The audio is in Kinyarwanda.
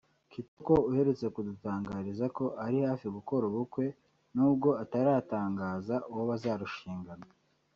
Kitoko uherutse kudutangariza ko ari hafi gukora ubukwe n’ubwo ataratangaza uwo bazarushingana